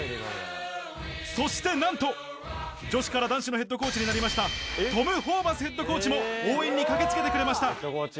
そしてなんと、女子から男子のヘッドコーチになりました、トム・ホーバスヘッドコーチも応援に駆けつけてくれました。